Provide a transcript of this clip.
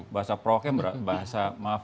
bahasa pro kem bahasa maaf